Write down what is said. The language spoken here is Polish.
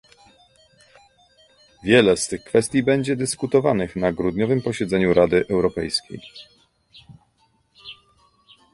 Wiele z tych kwestii będzie dyskutowanych na grudniowym posiedzeniu Rady Europejskiej